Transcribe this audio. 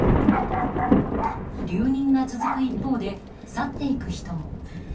留任が続く一方で去っていく人も。